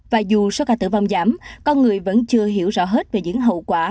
và dù số ca tử vong giảm con người vẫn chưa hiểu rõ hết về những hậu quả